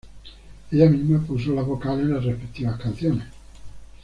Ella misma puso las vocales en las respectivas canciones.